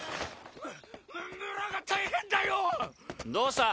む村が大変だよどうした？